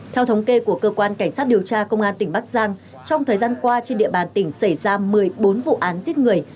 theo thống kê của cơ quan cảnh sát điều tra công an tỉnh bắc giang trong thời gian qua trên địa bàn tỉnh xảy ra một mươi bốn vụ án giết người